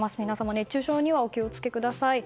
熱中症にお気を付けください。